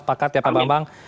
sepakat ya pak bambang